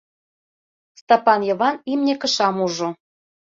Стапан Йыван имне кышам ужо.